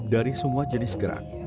dari semua jenis gerak